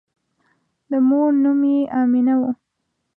د مور نوم یې آمنه وه.